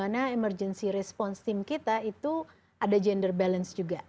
karena tim respons tim kita itu ada gender balance juga